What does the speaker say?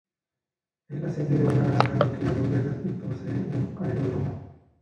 Es la sede de una granja de cría de ovejas y posee un aeródromo.